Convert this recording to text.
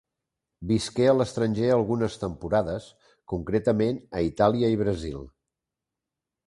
Visqué a l'estranger algunes temporades, concretament a Itàlia i Brasil.